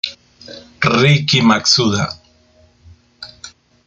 Riki Matsuda